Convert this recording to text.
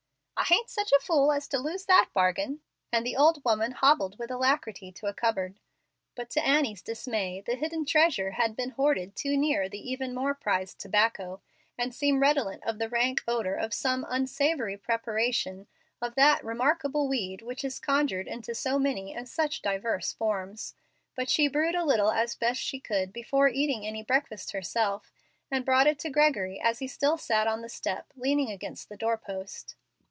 "I hain't such a fool as to lose that bargain," and the old woman hobbled with alacrity to a cupboard; but to Annie's dismay the hidden treasure had been hoarded too near the even more prized tobacco, and seemed redolent of the rank odor of some unsavory preparation of that remarkable weed which is conjured into so many and such diverse forms. But she brewed a little as best she could before eating any breakfast herself, and brought it to Gregory as he still sat on the step, leaning against the door post.